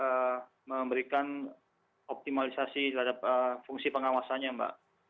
dengan tetap memberikan optimalisasi terhadap fungsi pengawasannya mbak